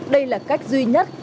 đây là cách duy nhất